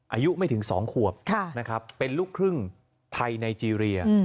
อายุไม่ถึง๒ขวบนะครับเป็นลูกครึ่งไทยไนเจรีย